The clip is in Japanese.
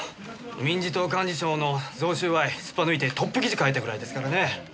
民自党幹事長の贈収賄すっぱ抜いてトップ記事書いたぐらいですからね。